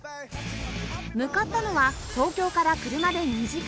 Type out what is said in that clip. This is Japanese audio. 向かったのは東京から車で２時間